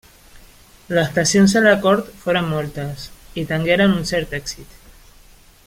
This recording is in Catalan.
Les pressions a la cort foren moltes i tengueren un cert èxit.